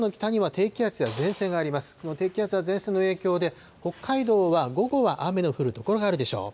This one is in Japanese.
低気圧や前線の影響で、北海道は午後は雨の降る所があるでしょう。